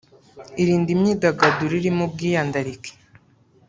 Irinde imyidagaduro irimo ubwiyandarike